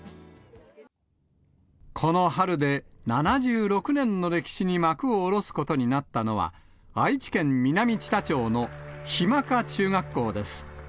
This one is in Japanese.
この春で７６年の歴史に幕を下ろすことになったのは、愛知県南知多町の日間賀中学校です。